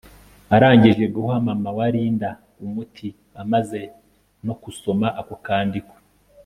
Arangije guha mama wa Linda umuti amaze no kusoma ako kandiko